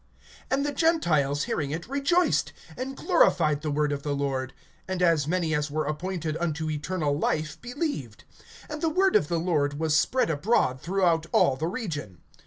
(48)And the Gentiles hearing it rejoiced, and glorified the word of the Lord; and as many as were appointed unto eternal life believed. (49)And the word of the Lord was spread abroad throughout all the region.